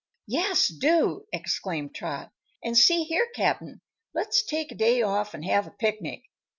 "Yes, do!" exclaimed Trot. "And, see here, Cap'n; let's take a day off and have a picnic.